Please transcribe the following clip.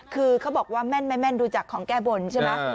คือเขาบอกว่าแม่นดูจากของแก้บนใช่ไหม